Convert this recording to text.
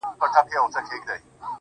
زړه یوسې او پټ یې په دسمال کي کړې بدل.